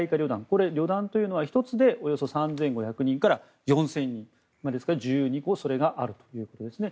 これ、旅団というのは１つでおよそ３５００人から４０００人ですから１２個それがあるということですね。